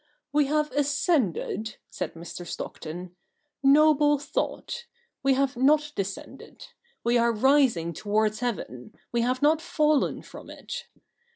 We have ascended,' said Mr. Stockton, ' noble thought I We have not descended. We are rising towards heaven, we have not fallen from it.